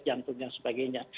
jantung dan sebagainya